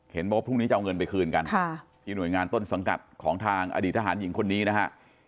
บอกว่าพรุ่งนี้จะเอาเงินไปคืนกันที่หน่วยงานต้นสังกัดของทางอดีตทหารหญิงคนนี้นะฮะ